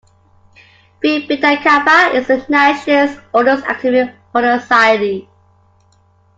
Phi Beta Kappa is the nation's oldest academic honor society.